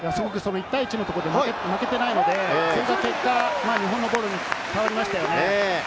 １対１のところで負けてないので、その結果、日本のボールに代わりましたよね。